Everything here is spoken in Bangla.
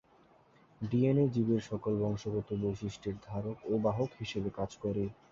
ডিএনএ জীবের সকল বংশগত বৈশিষ্ট্যের ধারক ও বাহক হিসাবে কাজ করে।